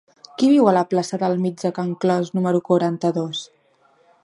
Qui viu a la plaça del Mig de Can Clos número quaranta-dos?